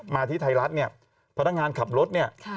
มาที่ไทยรัฐเนี่ยพนักงานขับรถเนี่ย